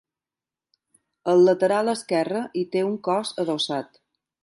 Al lateral esquerre hi té un cos adossat.